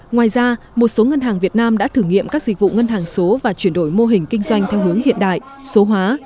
ngoài ra một số ngân hàng việt nam đã thử nghiệm các dịch vụ ngân hàng số và chuyển đổi mô hình kinh doanh theo hướng hiện đại số hóa